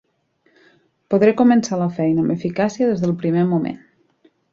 Podré començar la feina amb eficàcia des del primer moment.